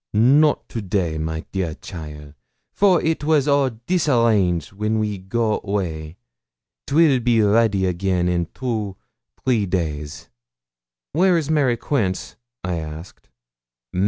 'Not to day, my dear cheaile, for it was all disarrange when we go 'way; 'twill be ready again in two three days.' 'Where is Mary Quince?' I asked.